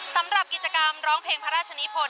สำหรับกิจกรรมร้องเพลงพระราชนิพล